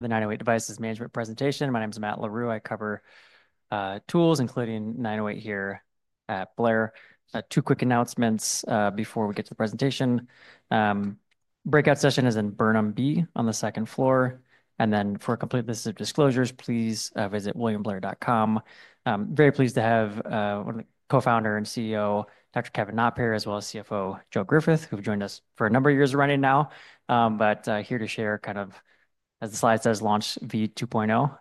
The 908 Devices Management presentation. My name is Matt Larew. I cover tools, including 908 here at Blair. Two quick announcements before we get to the presentation. Breakout session is in Burnham B on the second floor. And then for a complete list of disclosures, please visit williamblair.com. Very pleased to have one of the co-founder and CEO, Dr. Kevin Knopp, here, as well as CFO Joe Griffith, who've joined us for a number of years running now. But here to share kind of, as the slide says, launch v2.0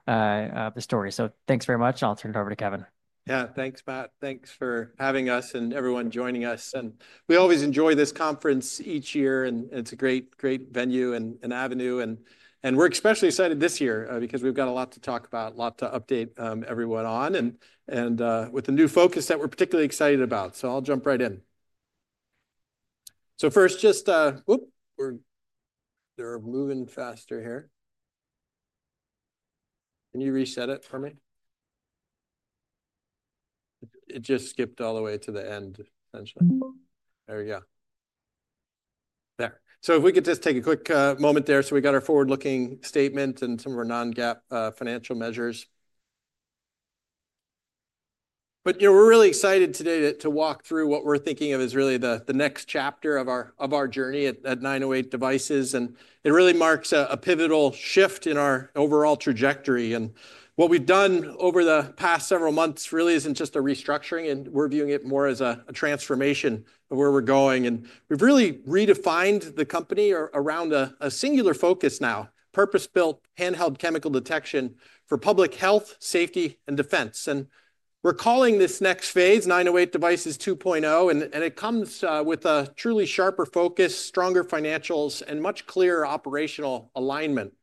of the story. So thanks very much. I'll turn it over to Kevin. Yeah, thanks, Matt. Thanks for having us and everyone joining us. We always enjoy this conference each year, and it's a great, great venue and avenue. We're especially excited this year, because we've got a lot to talk about, a lot to update everyone on, with a new focus that we're particularly excited about. I'll jump right in. First, just, oop, we're moving faster here. Can you reset it for me? It just skipped all the way to the end, essentially. There we go. There. If we could just take a quick moment there. We got our forward-looking statement and some of our non-GAAP financial measures. You know, we're really excited today to walk through what we're thinking of as really the next chapter of our journey at 908 Devices. It really marks a pivotal shift in our overall trajectory. What we've done over the past several months really isn't just a restructuring, and we're viewing it more as a transformation of where we're going. We've really redefined the company around a singular focus now: purpose-built handheld chemical detection for public health, safety, and defense. We're calling this next phase 908 Devices 2.0. It comes with a truly sharper focus, stronger financials, and much clearer operational alignment.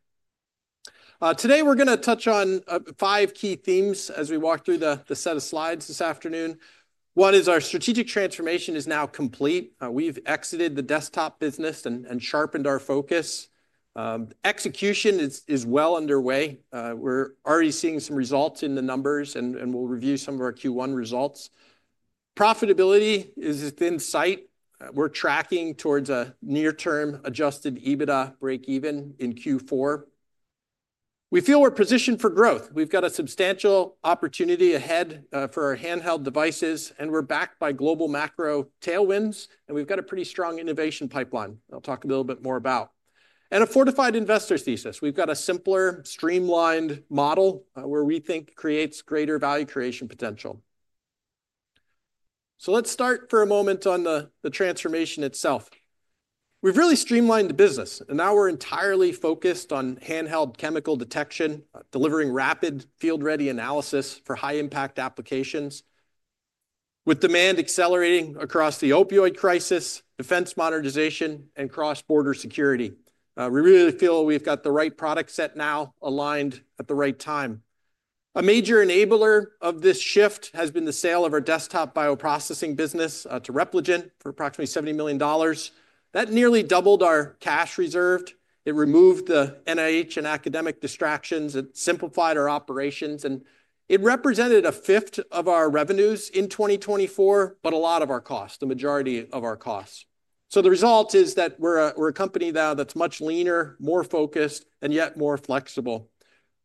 Today we're gonna touch on five key themes as we walk through the set of slides this afternoon. One is our strategic transformation is now complete. We've exited the desktop business and sharpened our focus. Execution is well underway. We're already seeing some results in the numbers, and we'll review some of our Q1 results. Profitability is within sight. We're tracking towards a near-term adjusted EBITDA break-even in Q4. We feel we're positioned for growth. We've got a substantial opportunity ahead, for our handheld devices, and we're backed by global macro tailwinds, and we've got a pretty strong innovation pipeline that I'll talk a little bit more about. And a fortified investor's thesis. We've got a simpler, streamlined model, where we think creates greater value creation potential. Let's start for a moment on the, the transformation itself. We've really streamlined the business, and now we're entirely focused on handheld chemical detection, delivering rapid field-ready analysis for high-impact applications with demand accelerating across the opioid crisis, defense modernization, and cross-border security. We really feel we've got the right product set now aligned at the right time. A major enabler of this shift has been the sale of our desktop bioprocessing business, to Repligen for approximately $70 million. That nearly doubled our cash reserves. It removed the NIH and academic distractions. It simplified our operations, and it represented a 1/5 of our revenues in 2024, but a lot of our costs, the majority of our costs. The result is that we're a company now that's much leaner, more focused, and yet more flexible.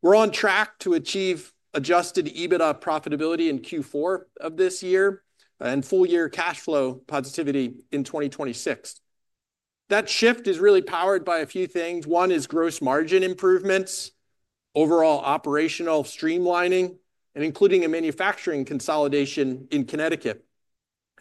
We're on track to achieve adjusted EBITDA profitability in Q4 of this year and full-year cash flow positivity in 2026. That shift is really powered by a few things. One is gross margin improvements, overall operational streamlining, including a manufacturing consolidation in Connecticut.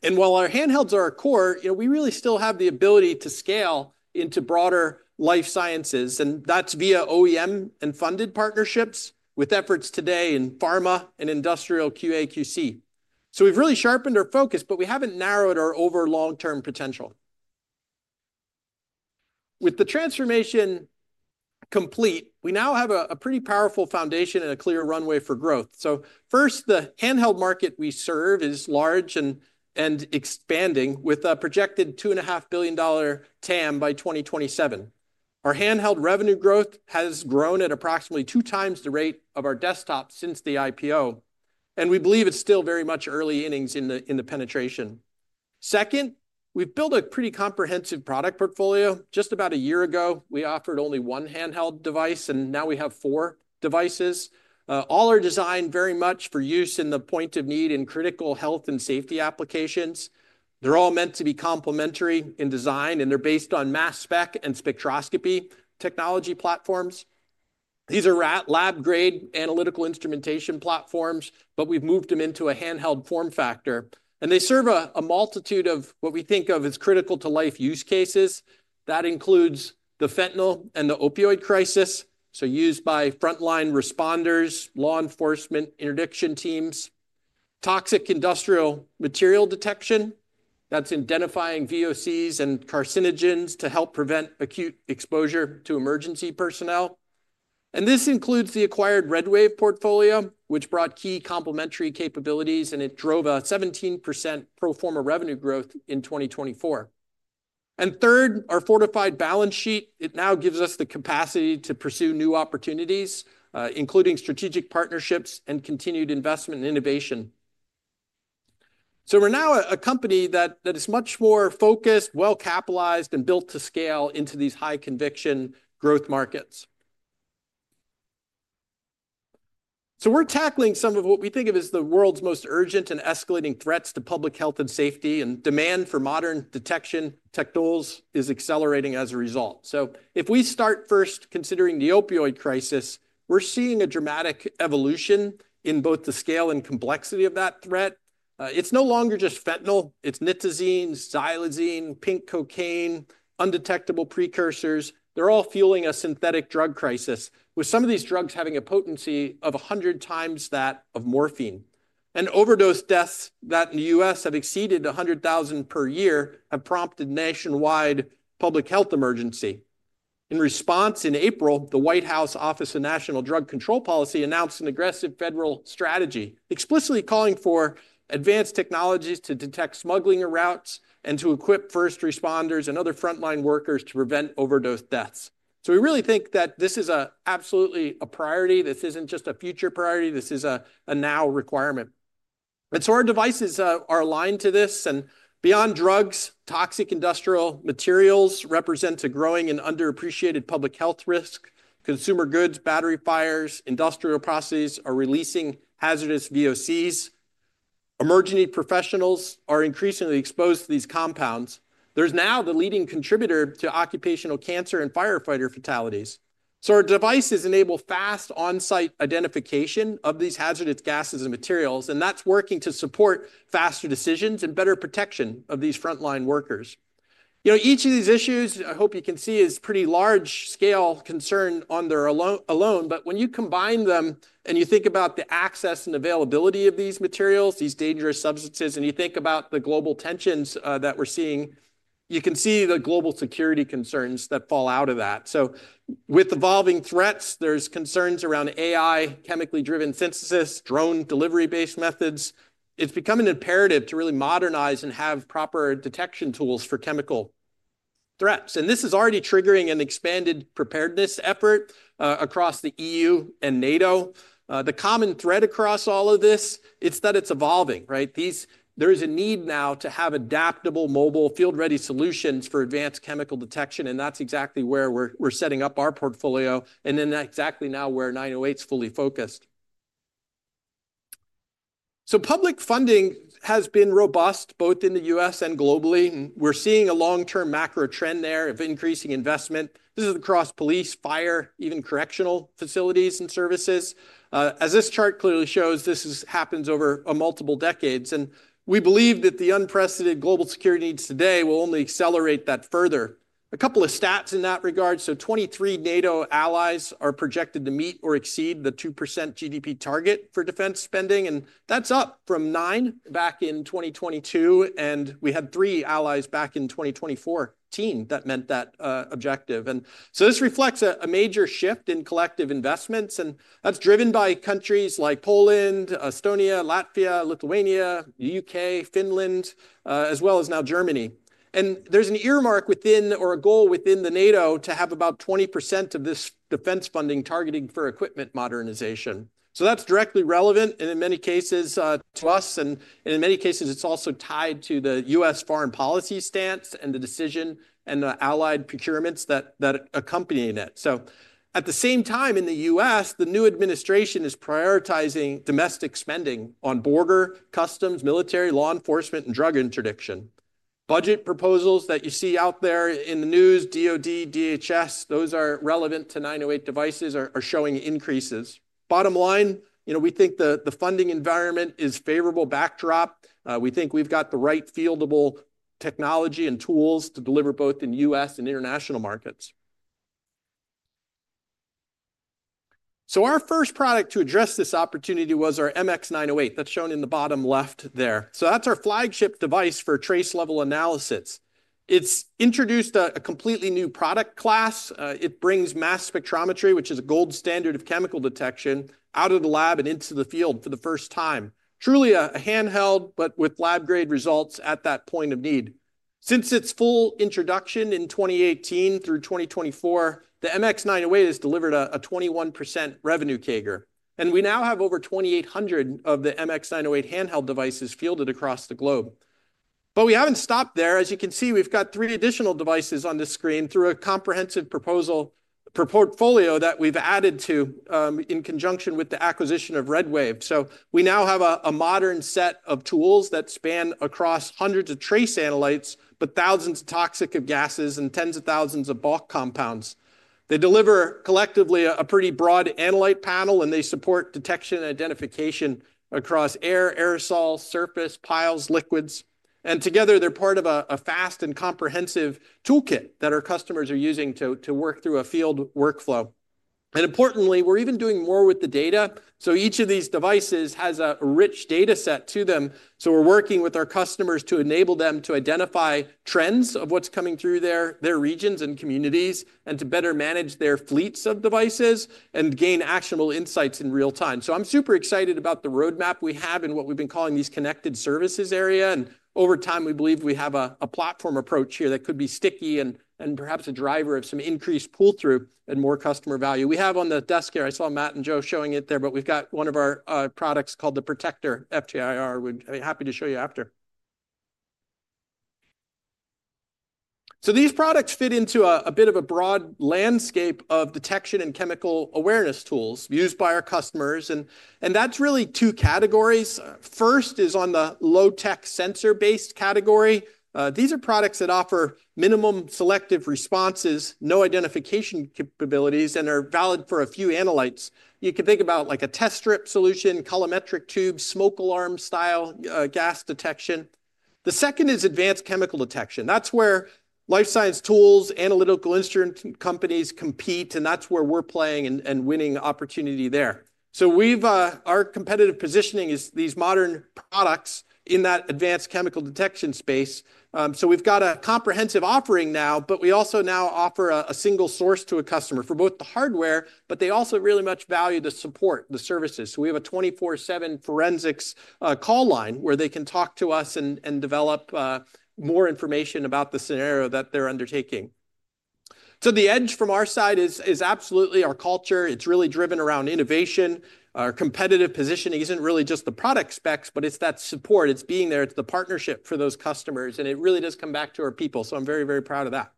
While our handhelds are our core, you know, we really still have the ability to scale into broader life sciences, and that's via OEM and funded partnerships with efforts today in pharma and industrial QAQC. We've really sharpened our focus, but we haven't narrowed our over-long-term potential. With the transformation complete, we now have a pretty powerful foundation and a clear runway for growth. First, the handheld market we serve is large and expanding with a projected $2.5 billion TAM by 2027. Our handheld revenue growth has grown at approximately two times the rate of our desktop since the IPO, and we believe it's still very much early innings in the penetration. Second, we've built a pretty comprehensive product portfolio. Just about a year ago, we offered only one handheld device, and now we have four devices. All are designed very much for use in the point of need and critical health and safety applications. They're all meant to be complementary in design, and they're based on mass spec and spectroscopy technology platforms. These are lab-grade analytical instrumentation platforms, but we've moved them into a handheld form factor, and they serve a multitude of what we think of as critical-to-life use cases. That includes the fentanyl and the opioid crisis, used by frontline responders, law enforcement, interdiction teams, toxic industrial material detection that's identifying VOCs and carcinogens to help prevent acute exposure to emergency personnel. This includes the acquired RedWave portfolio, which brought key complementary capabilities, and it drove a 17% pro forma revenue growth in 2024. Third, our fortified balance sheet now gives us the capacity to pursue new opportunities, including strategic partnerships and continued investment and innovation. We are now a company that is much more focused, well-capitalized, and built to scale into these high-conviction growth markets. We're tackling some of what we think of as the world's most urgent and escalating threats to public health and safety, and demand for modern detection technologies is accelerating as a result. If we start first considering the opioid crisis, we're seeing a dramatic evolution in both the scale and complexity of that threat. It's no longer just fentanyl. It's nitazene, xylazine, pink cocaine, undetectable precursors. They're all fueling a synthetic drug crisis, with some of these drugs having a potency of 100 times that of morphine. Overdose deaths that in the U.S. have exceeded 100,000 per year have prompted a nationwide public health emergency. In response, in April, the White House Office of National Drug Control Policy announced an aggressive federal strategy, explicitly calling for advanced technologies to detect smuggling routes and to equip first responders and other frontline workers to prevent overdose deaths. We really think that this is absolutely a priority. This isn't just a future priority. This is a now requirement. Our devices are aligned to this. Beyond drugs, toxic industrial materials represent a growing and underappreciated public health risk. Consumer goods, battery fires, industrial processes are releasing hazardous VOCs. Emergency professionals are increasingly exposed to these compounds. These are now the leading contributor to occupational cancer and firefighter fatalities. Our devices enable fast on-site identification of these hazardous gases and materials, and that's working to support faster decisions and better protection of these frontline workers. You know, each of these issues, I hope you can see, is a pretty large-scale concern on their own. But when you combine them and you think about the access and availability of these materials, these dangerous substances, and you think about the global tensions that we're seeing, you can see the global security concerns that fall out of that. With evolving threats, there's concerns around AI, chemically driven synthesis, drone delivery-based methods. It's become an imperative to really modernize and have proper detection tools for chemical threats. This is already triggering an expanded preparedness effort across the EU and NATO. The common thread across all of this, it's that it's evolving, right? There is a need now to have adaptable, mobile, field-ready solutions for advanced chemical detection. That's exactly where we're setting up our portfolio. That's exactly now where 908's fully focused. Public funding has been robust both in the U.S. and globally. We're seeing a long-term macro trend there of increasing investment. This is across police, fire, even correctional facilities and services. As this chart clearly shows, this happens over multiple decades. We believe that the unprecedented global security needs today will only accelerate that further. A couple of stats in that regard. 23 NATO allies are projected to meet or exceed the 2% GDP target for defense spending. That's up from nine back in 2022. We had three allies back in 2024 that met that objective. This reflects a major shift in collective investments. That's driven by countries like Poland, Estonia, Latvia, Lithuania, the U.K., Finland, as well as now Germany. There is an earmark within, or a goal within NATO to have about 20% of this defense funding targeting equipment modernization. That is directly relevant in many cases to us. In many cases, it is also tied to the U.S. foreign policy stance and the decision and the allied procurements that accompany it. At the same time, in the U.S., the new administration is prioritizing domestic spending on border, customs, military, law enforcement, and drug interdiction. Budget proposals that you see out there in the news, DoD, DHS, those that are relevant to 908 Devices, are showing increases. Bottom line, you know, we think the funding environment is a favorable backdrop. We think we have the right fieldable technology and tools to deliver both in U.S. and international markets. Our first product to address this opportunity was our MX908. That's shown in the bottom left there. That's our flagship device for trace-level analysis. It's introduced a completely new product class. It brings mass spectrometry, which is a gold standard of chemical detection, out of the lab and into the field for the first time. Truly a handheld, but with lab-grade results at that point of need. Since its full introduction in 2018 through 2024, the MX908 has delivered a 21% revenue CAGR. We now have over 2,800 of the MX908 handheld devices fielded across the globe. We haven't stopped there. As you can see, we've got three additional devices on this screen through a comprehensive proposal portfolio that we've added to, in conjunction with the acquisition of RedWave. We now have a modern set of tools that span across hundreds of trace analytes, thousands of toxic gases, and tens of thousands of bulk compounds. They deliver collectively a pretty broad analytes panel, and they support detection and identification across air, aerosol, surface, piles, liquids. Together, they're part of a fast and comprehensive toolkit that our customers are using to work through a field workflow. Importantly, we're even doing more with the data. Each of these devices has a rich data set to them. We're working with our customers to enable them to identify trends of what's coming through their regions and communities and to better manage their fleets of devices and gain actionable insights in real time. I'm super excited about the roadmap we have and what we've been calling these connected services area. Over time, we believe we have a platform approach here that could be sticky and perhaps a driver of some increased pull-through and more customer value. We have on the desk here, I saw Matt and Joe showing it there, but we've got one of our products called the Protector FTIR. We'd be happy to show you after. These products fit into a bit of a broad landscape of detection and chemical awareness tools used by our customers. That's really two categories. First is on the low-tech sensor-based category. These are products that offer minimum selective responses, no identification capabilities, and are valid for a few analytes. You can think about like a test strip solution, colorimetric tubes, smoke alarm style, gas detection. The second is advanced chemical detection. That's where life science tools, analytical instrument companies compete, and that's where we're playing and winning opportunity there. We've, our competitive positioning is these modern products in that advanced chemical detection space. We've got a comprehensive offering now, but we also now offer a single source to a customer for both the hardware, but they also really much value the support, the services. We have a 24/7 forensics call line where they can talk to us and develop more information about the scenario that they're undertaking. The edge from our side is absolutely our culture. It's really driven around innovation. Our competitive positioning isn't really just the product specs, but it's that support. It's being there. It's the partnership for those customers. It really does come back to our people. I'm very, very proud of that.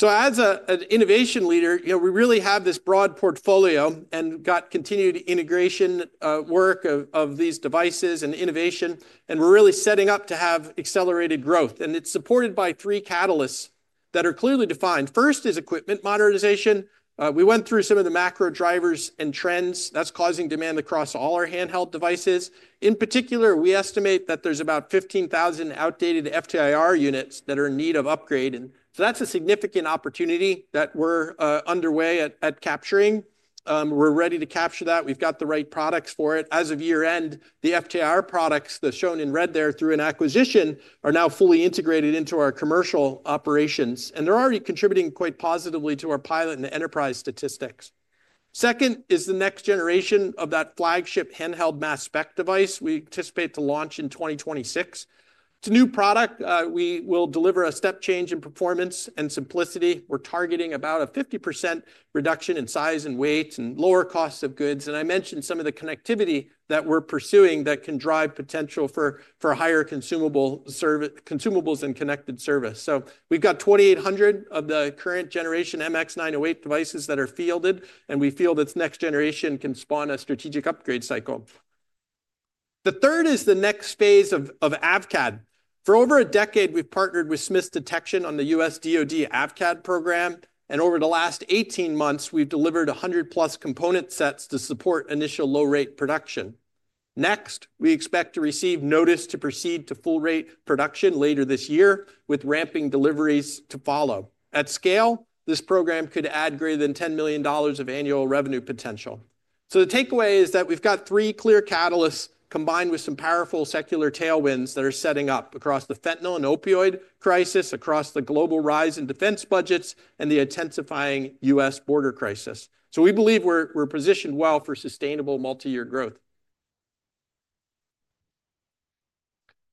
As an innovation leader, you know, we really have this broad portfolio and got continued integration work of these devices and innovation. We are really setting up to have accelerated growth. It is supported by three catalysts that are clearly defined. First is equipment modernization. We went through some of the macro drivers and trends that are causing demand across all our handheld devices. In particular, we estimate that there are about 15,000 outdated FTIR units that are in need of upgrade. That is a significant opportunity that we are underway at capturing. We are ready to capture that. We have got the right products for it. As of year-end, the FTIR products, shown in red there through an acquisition, are now fully integrated into our commercial operations. They are already contributing quite positively to our pilot and enterprise statistics. Second is the next generation of that flagship handheld mass spec device. We anticipate to launch in 2026. It's a new product. We will deliver a step change in performance and simplicity. We're targeting about a 50% reduction in size and weight and lower costs of goods. I mentioned some of the connectivity that we're pursuing that can drive potential for higher consumable service, consumables and connected service. We've got 2,800 of the current generation MX908 devices that are fielded, and we feel this next generation can spawn a strategic upgrade cycle. The third is the next phase of AVCAD. For over a decade, we've partnered with Smith's Detection on the U.S. DoD AVCAD program. Over the last 18 months, we've delivered 100-plus component sets to support initial low-rate production. Next, we expect to receive notice to proceed to full-rate production later this year with ramping deliveries to follow. At scale, this program could add greater than $10 million of annual revenue potential. The takeaway is that we've got three clear catalysts combined with some powerful secular tailwinds that are setting up across the fentanyl and opioid crisis, across the global rise in defense budgets, and the intensifying U.S. border crisis. We believe we're, we're positioned well for sustainable multi-year growth.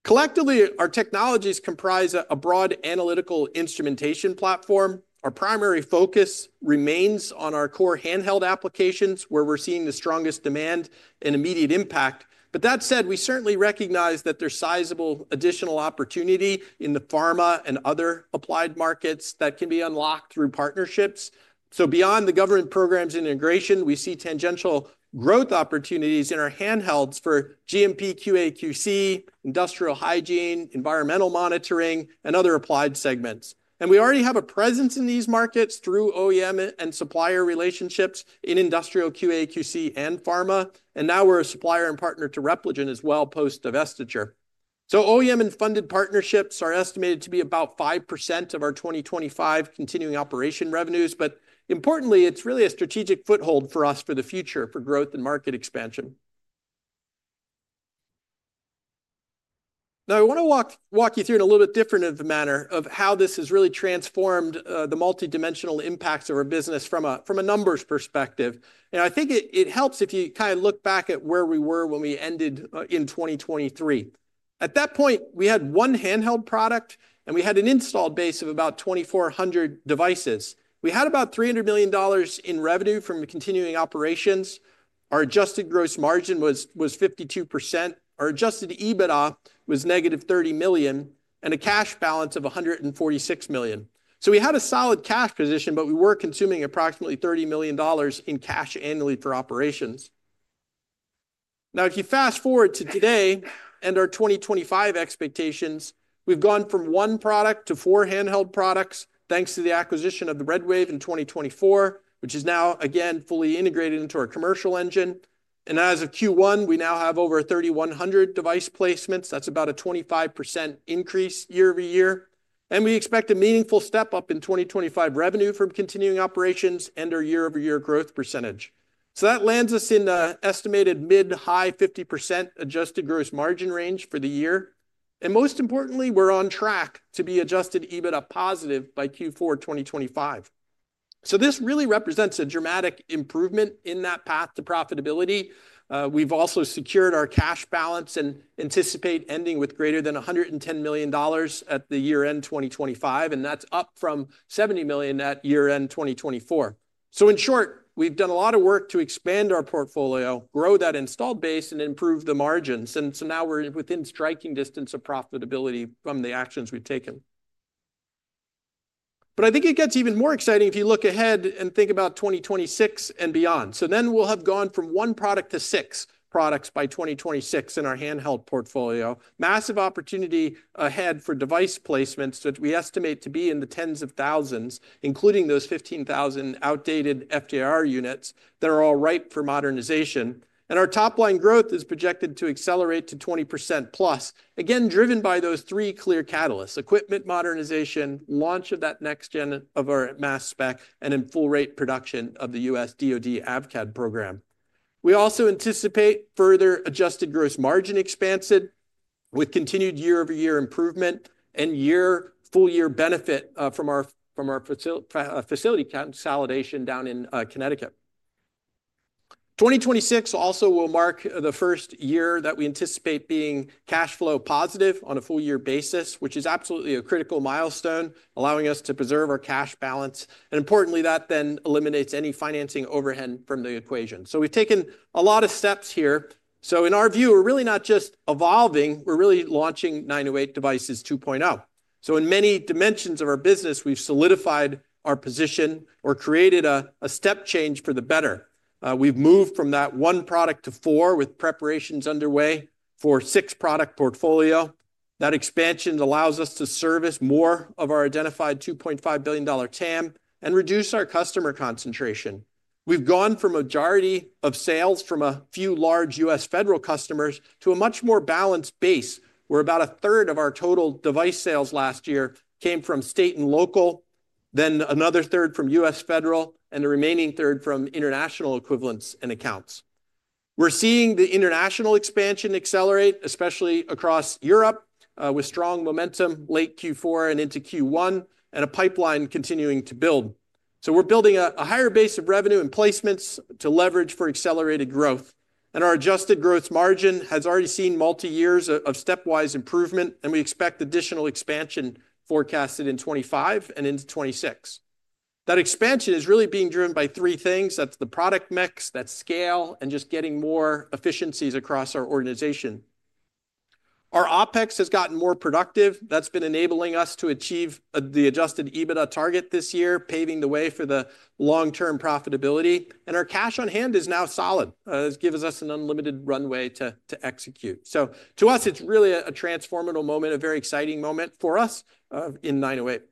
Collectively, our technologies comprise a broad analytical instrumentation platform. Our primary focus remains on our core handheld applications where we're seeing the strongest demand and immediate impact. That said, we certainly recognize that there's sizable additional opportunity in the pharma and other applied markets that can be unlocked through partnerships. Beyond the government programs and integration, we see tangential growth opportunities in our handhelds for GMP, QAQC, industrial hygiene, environmental monitoring, and other applied segments. We already have a presence in these markets through OEM and supplier relationships in industrial QAQC and pharma. Now we're a supplier and partner to Repligen as well post-divestiture. OEM and funded partnerships are estimated to be about 5% of our 2025 continuing operation revenues. Importantly, it's really a strategic foothold for us for the future for growth and market expansion. I want to walk you through in a little bit different of a manner of how this has really transformed, the multidimensional impacts of our business from a numbers perspective. I think it helps if you kind of look back at where we were when we ended in 2023. At that point, we had one handheld product, and we had an installed base of about 2,400 devices. We had about $300 million in revenue from continuing operations. Our adjusted gross margin was 52%. Our adjusted EBITDA was negative $30 million and a cash balance of $146 million. We had a solid cash position, but we were consuming approximately $30 million in cash annually for operations. Now, if you fast forward to today and our 2025 expectations, we've gone from one product to four handheld products thanks to the acquisition of RedWave in 2024, which is now again fully integrated into our commercial engine. As of Q1, we now have over 3,100 device placements. That's about a 25% increase year over year. We expect a meaningful step up in 2025 revenue from continuing operations and our year-over-year growth percentage. That lands us in an estimated mid-high 50% adjusted gross margin range for the year. Most importantly, we're on track to be adjusted EBITDA positive by Q4 2025. This really represents a dramatic improvement in that path to profitability. We've also secured our cash balance and anticipate ending with greater than $110 million at year-end 2025. That's up from $70 million at year-end 2024. In short, we've done a lot of work to expand our portfolio, grow that installed base, and improve the margins. Now we're within striking distance of profitability from the actions we've taken. I think it gets even more exciting if you look ahead and think about 2026 and beyond. Then we'll have gone from one product to six products by 2026 in our handheld portfolio. Massive opportunity ahead for device placements that we estimate to be in the tens of thousands, including those 15,000 outdated FTIR units that are all ripe for modernization. Our top-line growth is projected to accelerate to 20% plus, again, driven by those three clear catalysts: equipment modernization, launch of that next gen of our mass spec, and in full-rate production of the U.S. DoD AVCAD program. We also anticipate further adjusted gross margin expansion with continued year-over-year improvement and year-full-year benefit from our facility consolidation down in Connecticut. 2026 also will mark the first year that we anticipate being cash flow positive on a full-year basis, which is absolutely a critical milestone, allowing us to preserve our cash balance. Importantly, that then eliminates any financing overhead from the equation. We have taken a lot of steps here. In our view, we're really not just evolving. We're really launching 908 Devices 2.0. In many dimensions of our business, we've solidified our position or created a step change for the better. We've moved from that one product to four with preparations underway for a six product portfolio. That expansion allows us to service more of our identified $2.5 billion TAM and reduce our customer concentration. We've gone from a majority of sales from a few large U.S. federal customers to a much more balanced base where about a third of our total device sales last year came from state and local, then another third from U.S. federal, and the remaining third from international equivalents and accounts. We're seeing the international expansion accelerate, especially across Europe, with strong momentum late Q4 and into Q1 and a pipeline continuing to build. We're building a higher base of revenue and placements to leverage for accelerated growth. Our adjusted gross margin has already seen multi-years of stepwise improvement, and we expect additional expansion forecasted in 2025 and into 2026. That expansion is really being driven by three things. That's the product mix, that's scale, and just getting more efficiencies across our organization. Our OpEx has gotten more productive. That's been enabling us to achieve the adjusted EBITDA target this year, paving the way for the long-term profitability. Our cash on hand is now solid. It gives us an unlimited runway to execute. To us, it's really a transformative moment, a very exciting moment for us, in 908.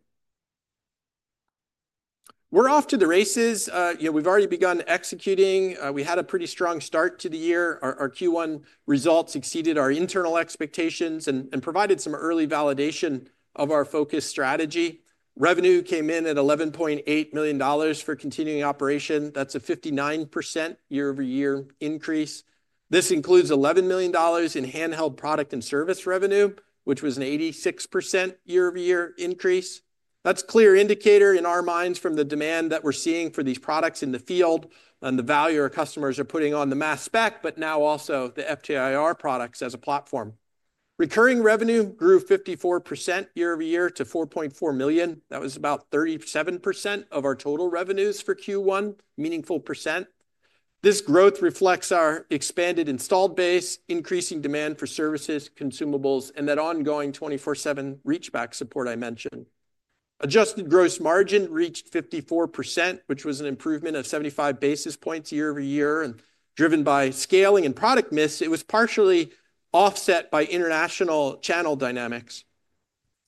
We're off to the races. You know, we've already begun executing. We had a pretty strong start to the year. Our Q1 results exceeded our internal expectations and provided some early validation of our focus strategy. Revenue came in at $11.8 million for continuing operation. That's a 59% year-over-year increase. This includes $11 million in handheld product and service revenue, which was an 86% year-over-year increase. That's a clear indicator in our minds from the demand that we're seeing for these products in the field and the value our customers are putting on the mass spec, but now also the FTIR products as a platform. Recurring revenue grew 54% year-over-year to $4.4 million. That was about 37% of our total revenues for Q1, meaningful percent. This growth reflects our expanded installed base, increasing demand for services, consumables, and that ongoing 24/7 reach-back support I mentioned. Adjusted gross margin reached 54%, which was an improvement of 75 basis points year-over-year. Driven by scaling and product mix, it was partially offset by international channel dynamics.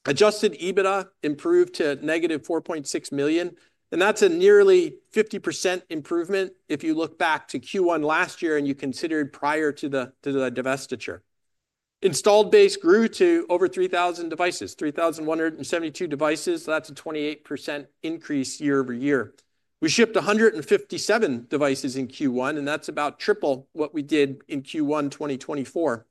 Adjusted EBITDA improved to negative $4.6 million. That's a nearly 50% improvement if you look back to Q1 last year and you consider prior to the divestiture. Installed base grew to over 3,000 devices, 3,172 devices. That's a 28% increase year-over-year. We shipped 157 devices in Q1, and that's about triple what we did in Q1 2024.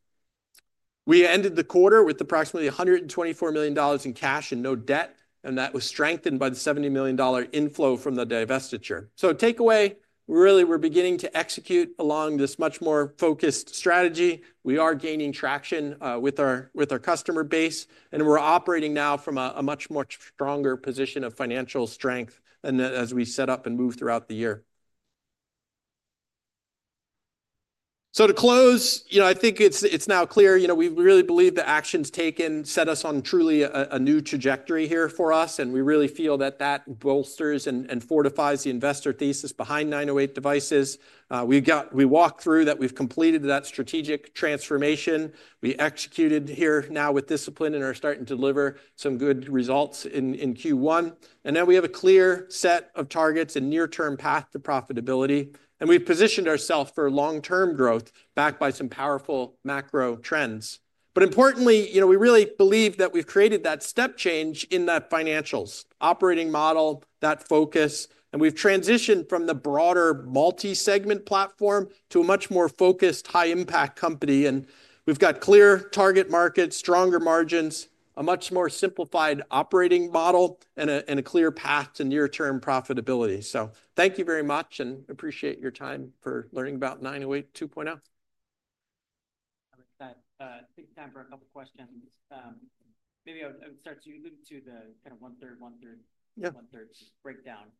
We ended the quarter with approximately $124 million in cash and no debt, and that was strengthened by the $70 million inflow from the divestiture. Takeaway, we really were beginning to execute along this much more focused strategy. We are gaining traction with our customer base, and we're operating now from a much stronger position of financial strength than as we set up and move throughout the year. To close, you know, I think it's now clear, you know, we really believe the actions taken set us on truly a new trajectory here for us. We really feel that that bolsters and fortifies the investor thesis behind 908 Devices. We walked through that we've completed that strategic transformation. We executed here now with discipline and are starting to deliver some good results in Q1. We have a clear set of targets and near-term path to profitability. We have positioned ourselves for long-term growth backed by some powerful macro trends. Importantly, you know, we really believe that we've created that step change in that financials operating model, that focus, and we've transitioned from the broader multi-segment platform to a much more focused high-impact company. We've got clear target markets, stronger margins, a much more simplified operating model, and a clear path to near-term profitability. Thank you very much and appreciate your time for learning about 908 2.0. I think time, take time for a couple of questions. Maybe I'll start to allude to the kind of 1/3, 1/3, 1/3 breakdown.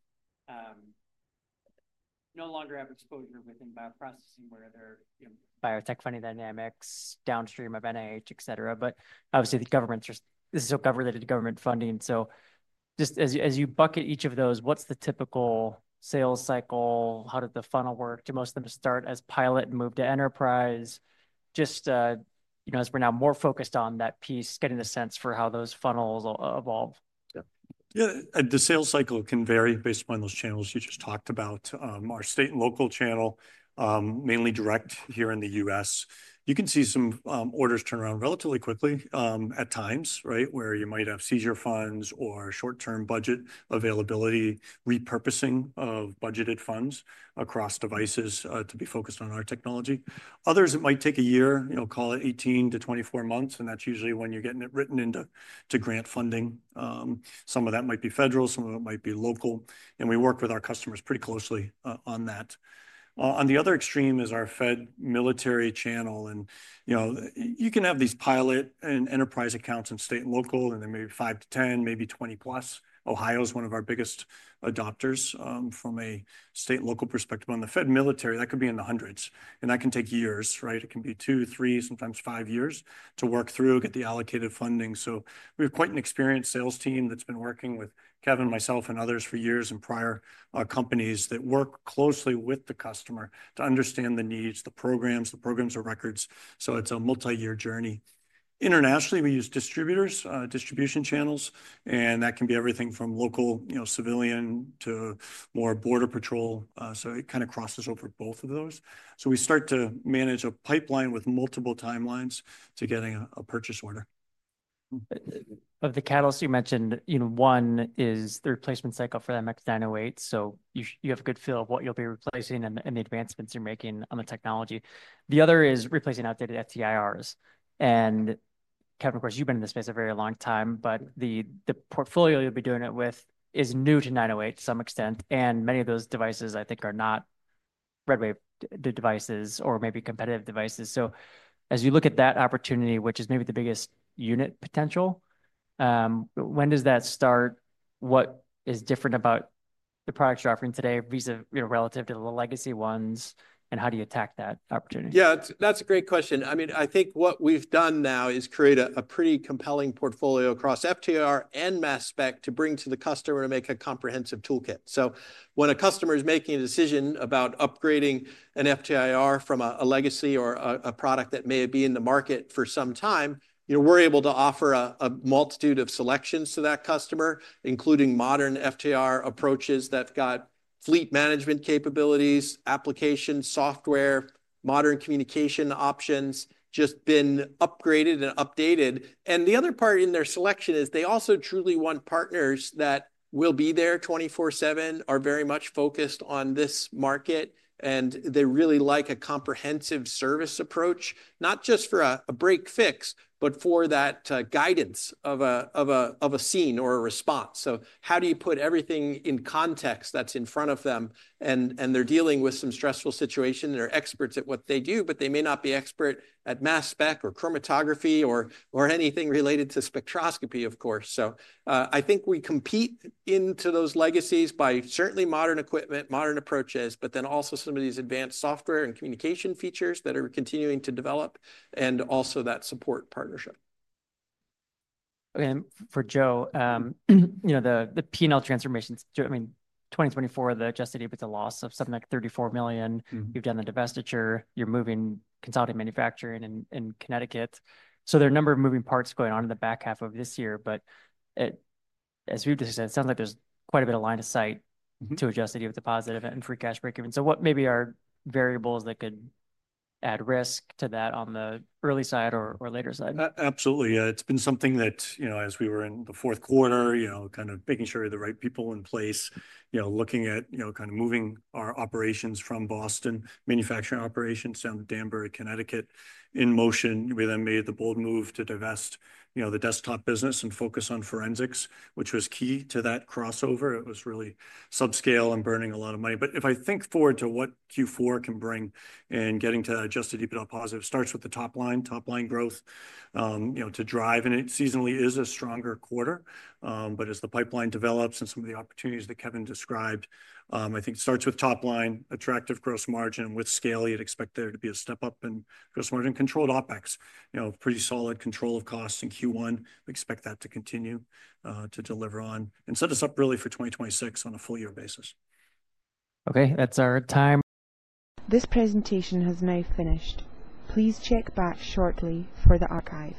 No longer have exposure within bioprocessing where they're, you know, biotech funding dynamics, downstream of NIH, et cetera. Obviously the government's just, this is all government-related to government funding. Just as you bucket each of those, what's the typical sales cycle? How did the funnel work? Do most of them start as pilot and move to enterprise? Just, you know, as we're now more focused on that piece, getting a sense for how those funnels evolve. Yeah. Yeah. The sales cycle can vary based upon those channels you just talked about. Our state and local channel, mainly direct here in the U.S., you can see some orders turn around relatively quickly at times, right? Where you might have seizure funds or short-term budget availability, repurposing of budgeted funds across devices to be focused on our technology. Others might take a year, call it 18-24 months, and that's usually when you're getting it written into grant funding. Some of that might be federal, some of it might be local. We work with our customers pretty closely on that. On the other extreme is our Fed military channel. You can have these pilot and enterprise accounts in state and local, and there may be five-10, maybe 20 plus. Ohio's one of our biggest adopters, from a state and local perspective. On the Fed military, that could be in the hundreds, and that can take years, right? It can be two, three, sometimes five years to work through, get the allocated funding. We have quite an experienced sales team that's been working with Kevin, myself, and others for years and prior, companies that work closely with the customer to understand the needs, the programs, the programs or records. It's a multi-year journey. Internationally, we use distributors, distribution channels, and that can be everything from local, you know, civilian to more border patrol. It kind of crosses over both of those. We start to manage a pipeline with multiple timelines to getting a purchase order. Of the catalysts you mentioned, you know, one is the replacement cycle for that MX908. You have a good feel of what you'll be replacing and the advancements you're making on the technology. The other is replacing outdated FTIRs. Kevin, of course, you've been in this space a very long time, but the portfolio you'll be doing it with is new to 908 to some extent. Many of those devices, I think, are not RedWave devices or maybe competitive devices. As you look at that opportunity, which is maybe the biggest unit potential, when does that start? What is different about the products you're offering today vis-à-vis relative to the legacy ones? How do you attack that opportunity? Yeah, that's a great question. I mean, I think what we've done now is create a pretty compelling portfolio across FTIR and mass spec to bring to the customer to make a comprehensive toolkit. When a customer is making a decision about upgrading an FTIR from a legacy or a product that may be in the market for some time, you know, we're able to offer a multitude of selections to that customer, including modern FTIR approaches that've got fleet management capabilities, application software, modern communication options, just been upgraded and updated. The other part in their selection is they also truly want partners that will be there 24/7, are very much focused on this market, and they really like a comprehensive service approach, not just for a break fix, but for that guidance of a, of a scene or a response. How do you put everything in context that's in front of them? They're dealing with some stressful situation. They're experts at what they do, but they may not be expert at mass spec or chromatography or anything related to spectroscopy, of course. I think we compete into those legacies by certainly modern equipment, modern approaches, but then also some of these advanced software and communication features that are continuing to develop and also that support partnership. Okay. And for Joe, you know, the P&L transformations, I mean, 2024, the adjusted EBITDA loss of something like $34 million. You've done the divestiture. You're moving consolidated manufacturing in Connecticut. There are a number of moving parts going on in the back half of this year. It sounds like there's quite a bit of line of sight to adjusted EBITDA positive and free cash break even. What maybe are variables that could add risk to that on the early side or, or later side? Absolutely. Yeah. It's been something that, you know, as we were in the fourth quarter, you know, kind of making sure the right people in place, you know, looking at, you know, kind of moving our operations from Boston, manufacturing operations down to Danbury, Connecticut in motion. We then made the bold move to divest, you know, the desktop business and focus on forensics, which was key to that crossover. It was really subscale and burning a lot of money. If I think forward to what Q4 can bring and getting to adjusted EBITDA positive starts with the top line, top line growth, you know, to drive. It seasonally is a stronger quarter. As the pipeline develops and some of the opportunities that Kevin described, I think it starts with top line, attractive gross margin with scale. You would expect there to be a step up in gross margin, controlled OpEx, you know, pretty solid control of costs in Q1. We expect that to continue, to deliver on and set us up really for 2026 on a full year basis. Okay. That is our time. This presentation has now finished. Please check back shortly for the archive.